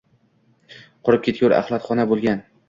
Qurib ketgur axlatxona bo‘lgan.